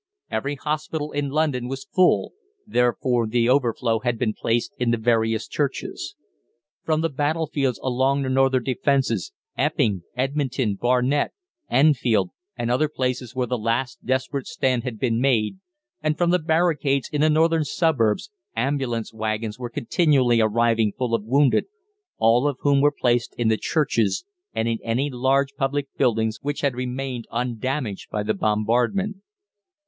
Every hospital in London was full, therefore the overflow had been placed in the various churches. From the battlefields along the northern defences, Epping, Edmonton, Barnet, Enfield, and other places where the last desperate stand had been made, and from the barricades in the northern suburbs ambulance waggons were continually arriving full of wounded, all of whom were placed in the churches and in any large public buildings which had remained undamaged by the bombardment.